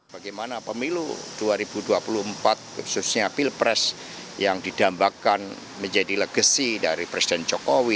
bagaimana pemilu dua ribu dua puluh empat khususnya pilpres yang didambakan menjadi legacy dari presiden jokowi